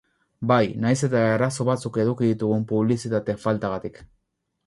Bai, nahiz eta arazo batzuk eduki ditugun publizitate faltagatik.